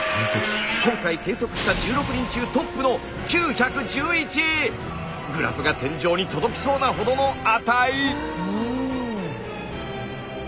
今回計測した１６人中トップのグラフが天井に届きそうなほどの値！